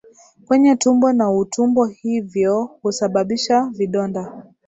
kwenye tumbo na utumbo hivyo kusababisha vidonda